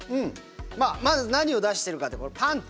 まず何を出してるかってこれ、パンチ。